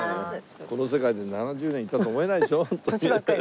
この世界で７０年生きたとは思えないでしょ？年ばっかり。